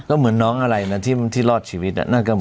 ก็เหมือนน้องอะไรนะที่รอดชีวิต